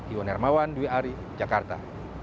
iwan hermawan dwi ari jakarta